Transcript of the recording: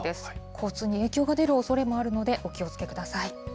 交通に影響が出るおそれもあるので、お気をつけください。